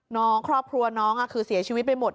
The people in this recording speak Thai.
น้องครอบครัวน้องคือเสียชีวิตไปหมด